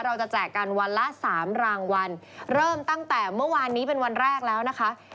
แจกกันวันละสามรางวัลเริ่มตั้งแต่เมื่อวานนี้เป็นวันแรกแล้วนะคะ